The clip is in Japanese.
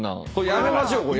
やめましょうこれ。